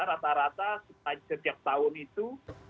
rata rata setiap tahun itu